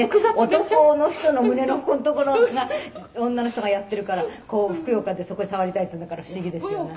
男の人の胸のここの所が女の人がやってるからこうふくよかでそこへ触りたいっていうんだから不思議ですよね」